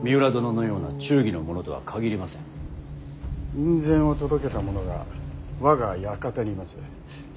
院宣を届けた者が我が館にいます。